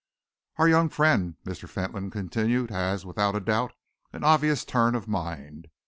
"Our young friend," Mr. Fentolin continued, "has, without doubt, an obvious turn of mind.